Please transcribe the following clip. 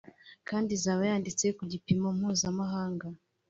kandi izaba yanditse ku gipimo mpuzamahanga